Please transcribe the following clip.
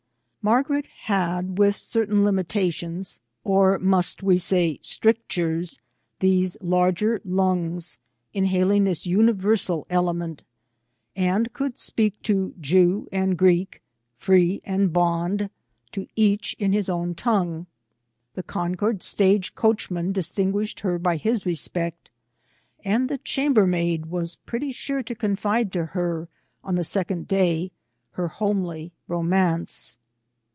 Margaret had, with certain limitations, or must VOL. I. 290 VISITS TO CONCORD. we say, strictures, these larger lungs, inhaling this universal element, and could speak to Jew and Greek, free and bond, to each in his own tongue. The Concord stage coachman distinguished her by his respect, and the chambermaid was pretty sure to confide to her, on the second day, her homely romance.